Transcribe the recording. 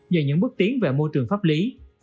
do những bước tiến về môi trường pháp lý